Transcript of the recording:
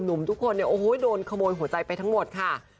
หนุ่มทุกคนโดนขโมยหัวใจไปทั้งหมดค่ะ